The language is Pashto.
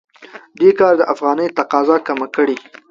دې کار د افغانۍ تقاضا کمه کړې.